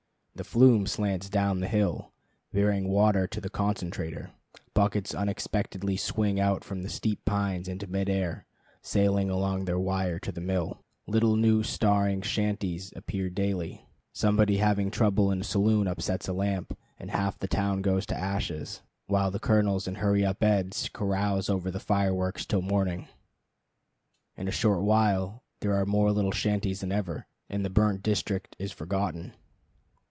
The flume slants down the hill bearing water to the concentrator; buckets unexpectedly swing out from the steep pines into mid air, sailing along their wire to the mill; little new staring shanties appear daily; somebody having trouble in a saloon upsets a lamp, and half the town goes to ashes, while the colonels and Hurry Up Eds carouse over the fireworks till morning. In a short while there are more little shanties than ever, and the burnt district is forgotten.